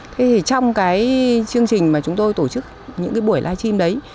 thế thì trong cái chương trình mà chúng tôi tổ chức những cái buổi live stream đấy